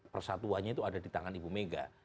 persatuannya itu ada di tangan ibu mega